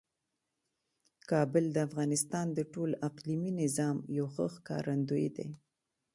کابل د افغانستان د ټول اقلیمي نظام یو ښه ښکارندوی دی.